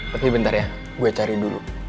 tapi bentar ya gue cari dulu